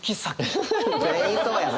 全員そうやな。